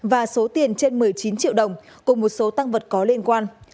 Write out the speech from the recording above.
và số tiền trên một mươi chín triệu đồng cùng một số tăng vật có liên quan